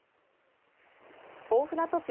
大船渡市